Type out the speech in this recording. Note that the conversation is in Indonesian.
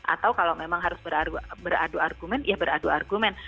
atau kalau memang harus beradu argumen ya beradu argumen